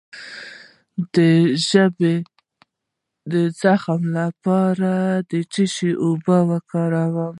د ژبې د زخم لپاره د څه شي اوبه وکاروم؟